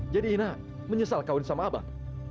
jadi ina menyesal kawin sama abang